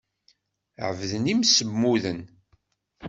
Ɛebden imsemmuden.